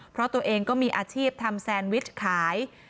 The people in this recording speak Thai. เพราะตัวเองก็มีอาชีพทำแซนวิชขาย